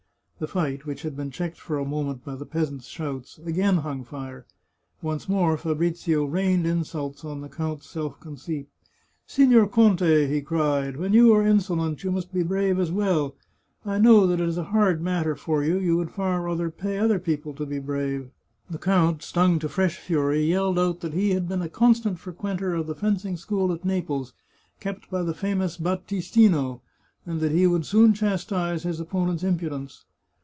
The fight, which had been checked for a moment by the peasants' shouts, again hung fire. Once more Fabrizio rained insults on the count's self conceit. " Signor Conte," 250 The Chartreuse of Parma he cried, " when you are insolent, you must be brave as well, I know that is a hard matter for you; you would far rather pay other people to be brave." The count, stung to fresh fury, yelled out that he had been a constant fre quenter of the fencing school at Naples, kept by the famous Battistino, and that he would soon chastise his opponent's impudence.